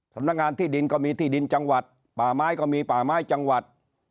สำนักงานที่ดินก็มีที่ดินจังหวัดป่าไม้ก็มีป่าไม้จังหวัด